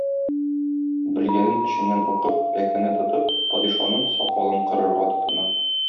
Белгәнен эченнән укып, пәкене тотып, падишаның сакалын кырырга тотына.